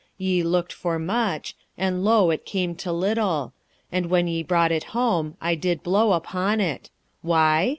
1:9 Ye looked for much, and, lo it came to little; and when ye brought it home, I did blow upon it. Why?